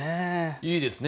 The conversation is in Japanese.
いいですね。